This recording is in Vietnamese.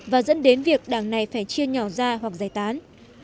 và dẫn đến việc đảng này phải chia nhỏ ra hoặc giải tán